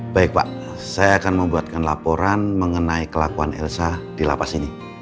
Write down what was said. baik pak saya akan membuatkan laporan mengenai kelakuan elsa di lapas ini